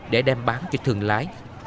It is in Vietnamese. để đem bán cho thường lái